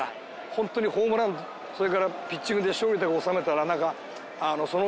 ホントにホームランそれからピッチングで勝利を収めたら。